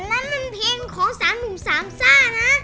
นั่นมันเพลงของสามหนุ่มสามซ่านะ